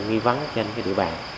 nghi vắng trên cái địa bàn